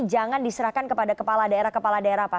jangan diserahkan kepada kepala daerah kepala daerah pak